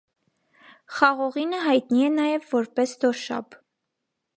Խաղողինը հայտնի է նաև որպես դոշաբ։